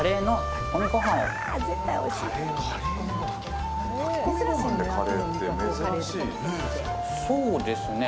炊き込みご飯でカレーって珍しいですよね。